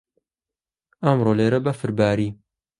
ئەمڕۆ لێرە بەفر باری.